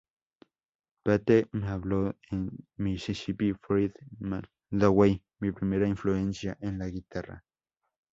Pete me habló de Mississippi Fred Mc Dowell, mi primera influencia en la guitarra.